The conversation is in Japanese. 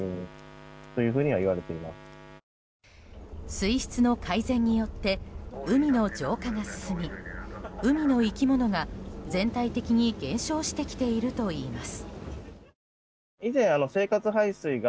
水質の改善によって海の浄化が進み海の生き物が全体的に減少してきているといいます。